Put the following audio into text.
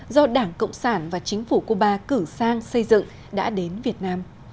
do đảng cộng sản và chính phủ cuba cử sang xây dựng đã đến việt nam